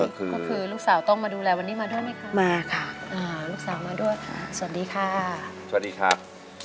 ก็คือลูกสาวต้องมาดูแลวันนี้มาด้วยไหมครับ